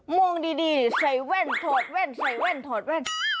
มองดีใส่แว่นถอดแว่นใส่แว่นถอดแว่น